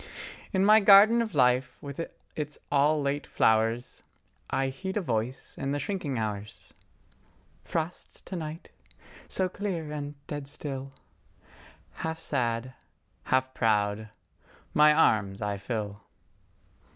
.... .In my garden of Life with its all late flowersI heed a Voice in the shrinking hours:"Frost to night—so clear and dead still" …Half sad, half proud, my arms I fill.